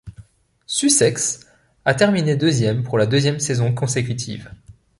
Sussex a terminé deuxième pour la deuxième saison consécutive.